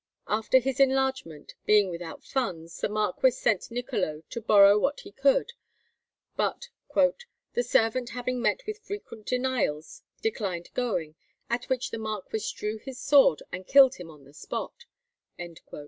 After his enlargement, being without funds, the marquis sent Niccolo to borrow what he could. But "the servant, having met with frequent denials, declined going, at which the marquis drew his sword and killed him on the spot."